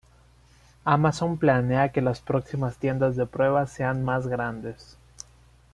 Amazon planea que las próximas tiendas de prueba sean más grandes.